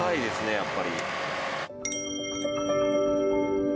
やっぱり。